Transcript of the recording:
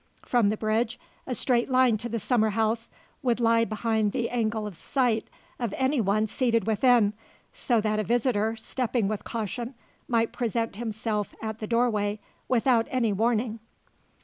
From the bridge a straight line to the summer house would lie behind the angle of sight of any one seated within; so that a visitor, stepping with caution, might present himself at the doorway without any warning.